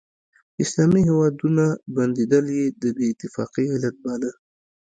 اسلامي هیوادونه بندېدل یې د بې اتفاقۍ علت باله.